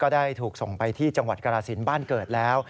ได้ถูกส่งไปที่จังหวัดกรสินบ้านเกิดแล้ว